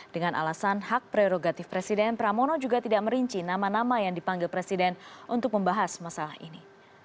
dengan alasan hak prerogatif presiden pramono juga tidak merinci nama nama yang dipanggil presiden untuk membahas masalah ini